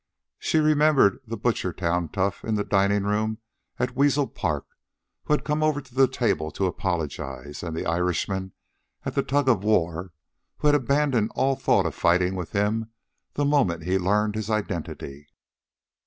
She remembered the Butchertown tough in the dining room at Weasel Park who had come over to the table to apologize, and the Irishman at the tug of war who had abandoned all thought of fighting with him the moment he learned his identity.